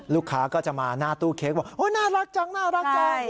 ลูกค้าก็จะมาหน้าตู้เค้กว่าโอ้น่ารักจังน่ารักจัง